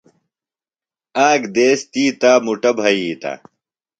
آک دیس تی تا مُٹہ ھِیتہ۔